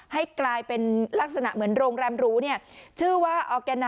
ให้กลายเป็นลักษณะเหมือนโรงแรมหรูเนี่ยชื่อว่าออร์แกน